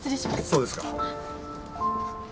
そうですか。